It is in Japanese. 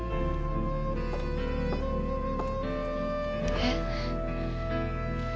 えっ。